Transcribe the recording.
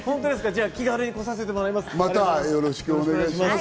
じゃあ、気軽に来させてもらいます。